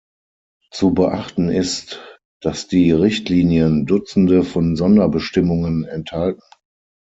Zu beachten ist, dass die Richtlinien Dutzende von Sonderbestimmungen enthalten.